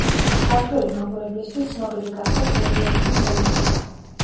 ქართველი მაყურებლისთვის ცნობილი გახდა სერიალიდან „ელიფი“.